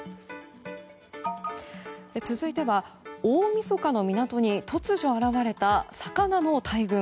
続いては、大みそかの港に突如、現れた魚の大群。